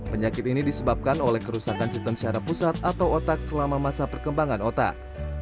penyakit ini disebabkan oleh kerusakan sistem syaraf pusat atau otak selama masa perkembangan otak